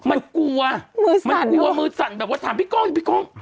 มันกลัวมันกลัวมือสั่นแบบว่าถามพี่ก้อสิพี่ก้อสิ